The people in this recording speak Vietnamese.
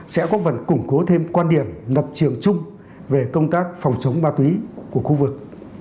sẽ có phần củng cố thêm quan điểm lập trường chung về công tác phòng chống ma túy của khu vực